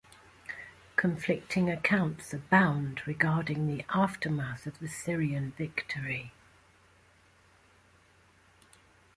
Conflicting accounts abound regarding the aftermath of the Syrian victory.